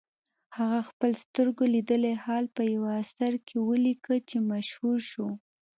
هغه خپل سترګو لیدلی حال په یوه اثر کې ولیکه چې مشهور شو.